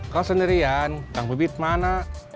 kau sendirian jangan berbicara